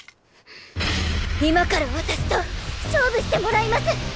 今から私と勝負してもらいます！